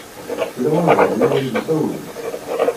Yella walebɛaḍ i wen-d-isawlen?